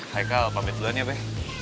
hai ka apa betulannya be